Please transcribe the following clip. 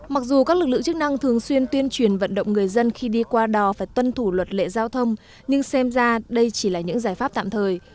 mặc dù các lực lượng chức năng thường xuyên tuyên truyền vận động người dân khi đi qua đò phải tuân thủ luật lệ giao thông nhưng xem ra đây chỉ là những giải pháp tạm thời